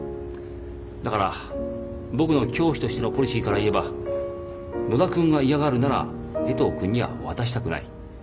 だから僕の教師としてのポリシーから言えば野田君が嫌がるなら江藤君には渡したくない。